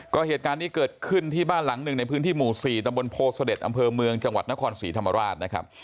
ก็เหตุการณ์นี้เกิดขึ้นที่บ้านหลังหนึ่งในพื้นที่หมู่๔ตำบลโพเสด็จอำเภอเมืองจังหวัดนครศรีธรรมราชนะครับ